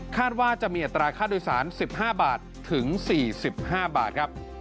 ว่าจะมีอัตราค่าโดยสาร๑๕บาทถึง๔๕บาทครับ